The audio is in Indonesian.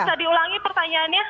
eva bisa diulangi pertanyaannya